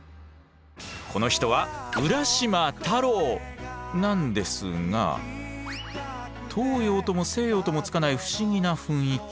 この人はなんですが東洋とも西洋ともつかない不思議な雰囲気。